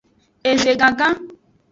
Eze gangan.